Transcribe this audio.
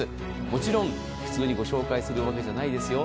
もちろん普通にご紹介するわけじゃないですよ。